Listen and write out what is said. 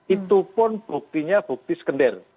itu pun buktinya bukti skender